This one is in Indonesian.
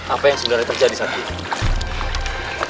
apa yang sebenarnya terjadi zatik